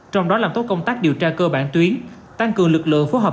trong đó làm tốt công tác điều tra cơ bản tuyến tăng cường lực lượng phối hợp